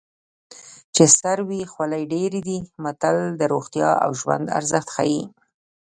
چې سر وي خولۍ ډېرې دي متل د روغتیا او ژوند ارزښت ښيي